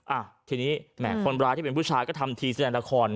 อ่ะทีนี้แหมคนร้ายที่เป็นผู้ชายก็ทำทีแสดงละคร